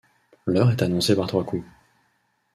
L'heure est annoncée par trois coups.